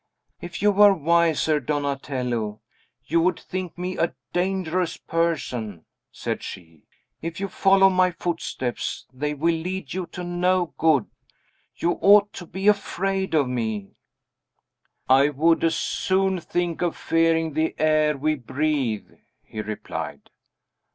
"If you were wiser, Donatello, you would think me a dangerous person," said she, "If you follow my footsteps, they will lead you to no good. You ought to be afraid of me." "I would as soon think of fearing the air we breathe," he replied.